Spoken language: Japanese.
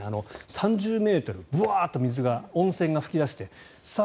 ３０ｍ、ブワーッと水が温泉が噴き出してさあ